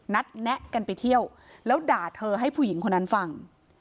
แนะกันไปเที่ยวแล้วด่าเธอให้ผู้หญิงคนนั้นฟัง